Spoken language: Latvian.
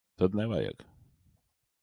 Tad nevajag.